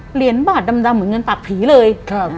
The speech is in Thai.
เหรียญบาทดำเหมือนเงินปากผีเลย